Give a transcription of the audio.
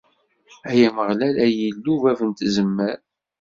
Ay Ameɣlal, ay Illu bab n tzemmar!